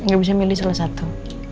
gak bisa milih salah satu